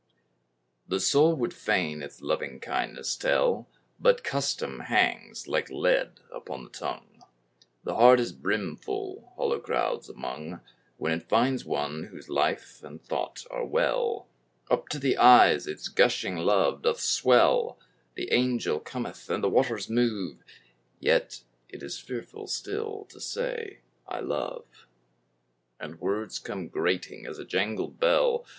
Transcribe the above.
The soul would fain its loving kindness tell, But custom hangs like lead upon the tongue; The heart is brimful, hollow crowds among, When it finds one whose life and thought are well; Up to the eyes its gushing love doth swell, The angel cometh and the waters move, Yet it is fearful still to say "I love," And words come grating as a jangled bell.